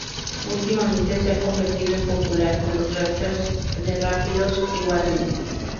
Últimamente, se ha convertido en popular con los "rafters" de rápidos, igualmente.